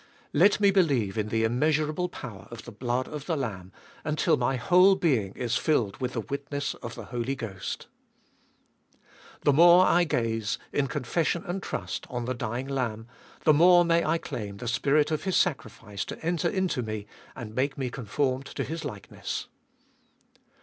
2. Let me believe in the immeasurable power of the blood of the Lamb, until my whole being is filled with the witness of the Holy Ghost. 3. The more I gaze, in confession and trust, on the dying Lamb, the more may I claim the spirit of His sacrifice to enter into me, and make me conformed to His likeness.